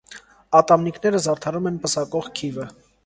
Ատամնիկները զարդարում են պսակող քիվը։